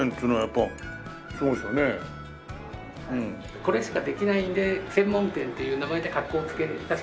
これしかできないので専門店っていう名前でかっこをつけてます。